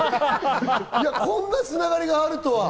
こんなつながりがあるとは。